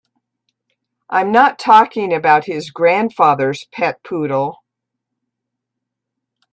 I'm not talking about his grandfather's pet poodle.